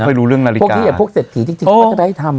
ไม่ค่อยรู้เรื่องนาฬิกาพวกนี้แหละพวกเศรษฐีที่จริงก็จะได้ให้ทำอ่ะ